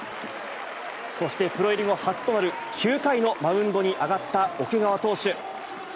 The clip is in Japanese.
そしてプロ入り後、初となる９回のマウンドに上がった奥川投手。